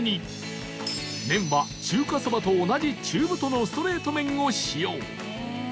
麺は中華そばと同じ中太のストレート麺を使用